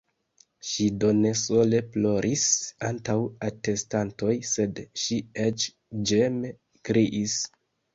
Ŝi do ne sole ploris antaŭ atestantoj, sed ŝi eĉ ĝeme kriis.